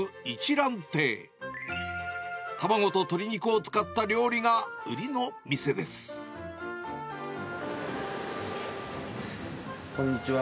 卵と鶏肉を使った料理が売りの店こんにちは。